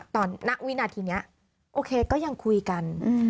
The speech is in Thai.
ณวินาทีนี้โอเคก็ยังคุยกัน